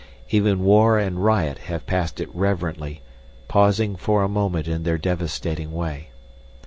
Even war and riot have passed it reverently, pausing for a moment in their devastating way.